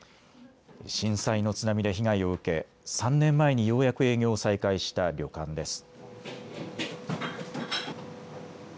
震災の津波で被害を受け３年前にようやく営業を再開した旅館です。